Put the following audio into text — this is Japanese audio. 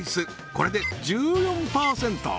これで１４％